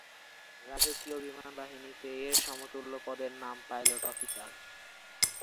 রাজকীয় বিমান বাহিনীতে এর সমতুল্য পদের নাম পাইলট অফিসার।